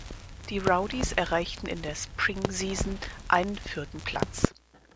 Die Rowdies erreichten in der Spring-Season einen vierten Platz.